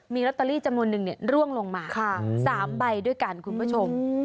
มีลอตเตอรี่จำนวนนึงร่วงลงมา๓ใบด้วยกันคุณผู้ชม